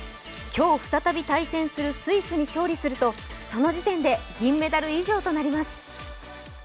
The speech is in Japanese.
今日再び対戦するスイスに勝利するとその時点で銀メダル以上となります。